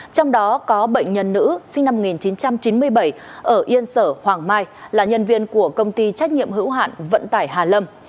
trong đó có bệnh nhân nữ sinh năm một nghìn chín trăm chín mươi bảy ở yên sở hoàng mai là nhân viên của công ty trách nhiệm hữu hạn vận tải hà lâm